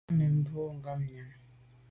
Á ma’ mbwe ngabnyàm.